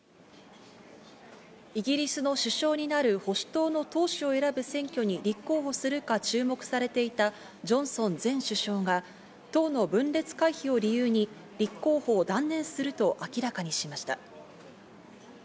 イギリスの首相になる保守党の党首を選ぶ選挙に立候補するか注目されていたジョンソン前首相が、党の分裂回避を理由に立候補を断念すると明らかにしました。